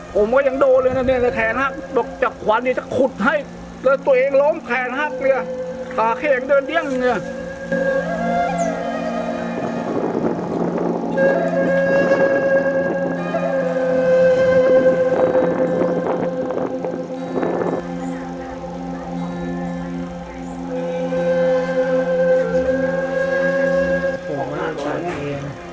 ผมก็ยังโดนเลยนะเรื่อยแขนหักบอกจับขวานนี้จะขุดให้แล้วตัวเองล้มแขนหักเรื่อยสาเข้งเดินเดี่ยงเลยเนี่ย